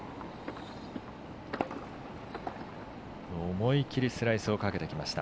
思い切りスライスをかけてきました。